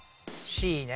Ｃね。